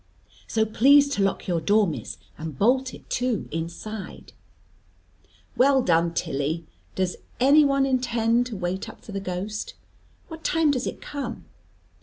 So please to lock your door, Miss, and bolt it too inside." "Well done, Tilly! Does any one intend to wait up for the ghost? What time does it come?"